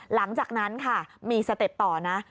หลังจากนั้นค่ะมีสเต็ปต่อนะ